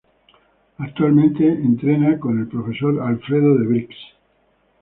Actualmente entrena con el profesor Alfredo De Brix.